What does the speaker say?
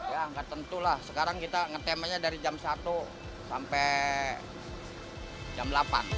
ya nggak tentu lah sekarang kita ngetemanya dari jam satu sampai jam delapan